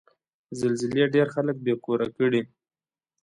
زلزلې ډېر خلک بې کوره کړي.